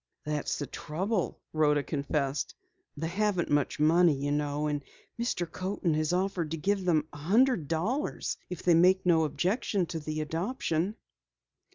"That's the trouble," Rhoda confessed. "They haven't much money, you know, and Mr. Coaten has offered to give them a hundred dollars if they make no objection to the adoption."